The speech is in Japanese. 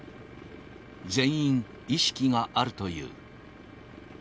全員意識があるという。